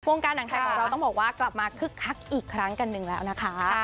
การหนังไทยของเราต้องบอกว่ากลับมาคึกคักอีกครั้งกันหนึ่งแล้วนะคะ